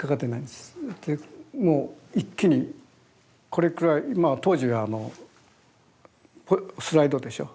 でもう一気にこれくらいまあ当時はあのスライドでしょ？